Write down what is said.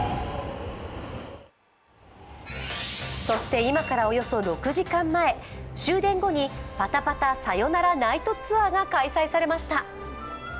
そして、今からおよそ６時間前終電後にパタパタさよならナイトツアーが開催されました。